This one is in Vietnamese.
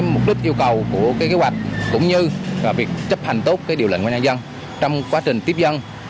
mục đích yêu cầu của kế hoạch cũng như việc chấp hành tốt điều lệnh của nhân dân trong quá trình tiếp dân